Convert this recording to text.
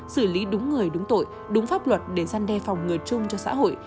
xử lý đúng người đúng tội đúng pháp luật để gian đe phòng ngừa chung cho xã hội